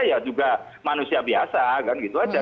ya juga manusia biasa kan gitu aja